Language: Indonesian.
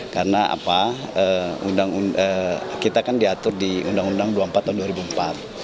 karena kita kan diatur di undang undang dua puluh empat tahun dua ribu empat